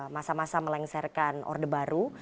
masa masa melengsarkan orde baru